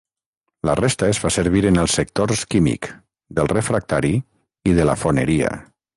La resta es fa servir en els sectors químic, del refractari i de la foneria.